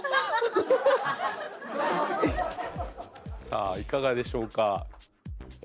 さあいかがでしょうか？